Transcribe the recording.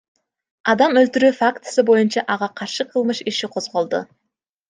Адам өлтүрүү фактысы боюнча ага каршы кылмыш иши козголду.